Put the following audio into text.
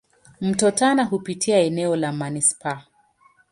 Mto Tana hupitia eneo la manispaa.